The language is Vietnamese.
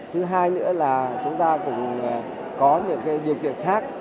thứ hai nữa là chúng ta cũng có những điều kiện khác